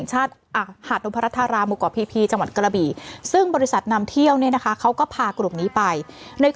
ชัดเต็มสองตามั้ยค่ะคุณ